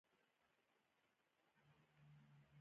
د میرمنو کار او تعلیم مهم دی ځکه چې ټولنې برابرۍ بنسټ جوړوي.